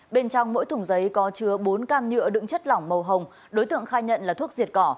bên trong mỗi thùng giấy có chứa bốn can nhựa đựng chất lỏng màu hồng đối tượng khai nhận là thuốc diệt cỏ